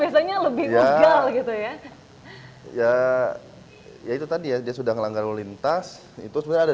biasanya lebih gagal gitu ya ya itu tadi ya dia sudah ngelanggar lalu lintas itu sebenarnya ada